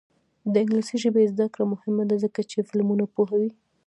د انګلیسي ژبې زده کړه مهمه ده ځکه چې فلمونه پوهوي.